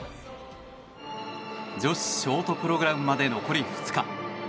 女子ショートプログラムまで残り２日。